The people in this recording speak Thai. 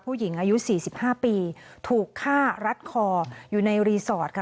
ผู้หญิงอายุ๔๕ปีถูกฆ่ารัดคออยู่ในรีสอร์ทค่ะ